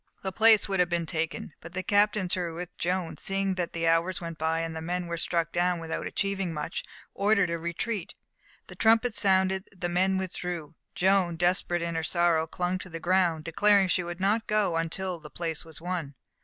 The place would have been taken, but the captains who were with Joan, seeing that the hours went by and the men were struck down without achieving much, ordered a retreat. The trumpets sounded; the men withdrew, Joan, desperate in her sorrow, clung to the ground, declaring she would not go until the place was won.